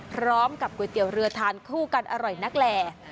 ก๋วยเตี๋ยวเรือทานคู่กันอร่อยนักแหล่